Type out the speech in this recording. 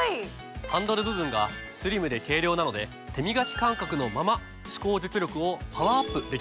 ハンドル部分がスリムで軽量なので手みがき感覚のまま歯垢除去力をパワーアップできるんです。